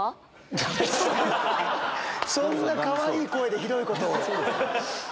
そんなかわいい声でひどいことを！